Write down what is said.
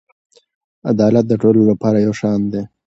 عدالت د ټولو لپاره یو شان دی.